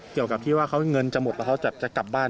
เกี่ยวกับที่ว่าเงินจะหมดแล้วเขาจะกลับบ้าน